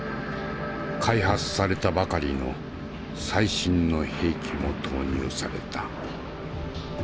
開発されたばかりの最新の兵器も投入された。